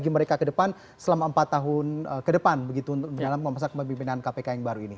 bagi mereka ke depan selama empat tahun ke depan begitu dalam memasak pemimpinan kpk yang baru ini